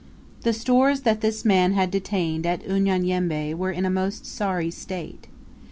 The stores this man had detained at Unyanyembe were in a most sorry state.